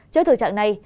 trước thực trạng này